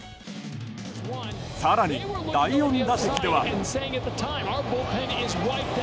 更に第４打席では。